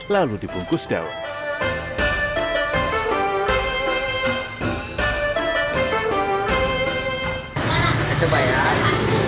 lalu dipungkus daun